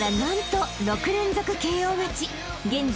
［現在］